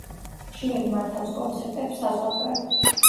ხშირად მართავს კონცერტებს საზღვარგარეთ.